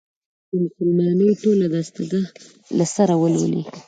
د «مسلمانۍ ټوله دستګاه» له سره ولولي.